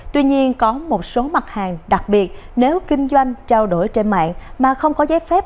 tuy nhiên có một số mặt hàng đặc biệt nếu kinh doanh trao đổi trên mạng mà không có giấy phép